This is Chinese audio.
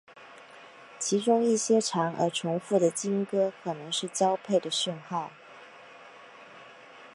其中一些长而重复的鲸歌可能是交配的讯号。